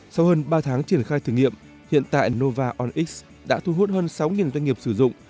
sau hơn ba tháng triển khai thử nghiệm hiện tại nova onx đã thu hút hơn sáu doanh nghiệp sử dụng